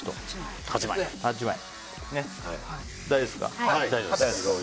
大丈夫ですか？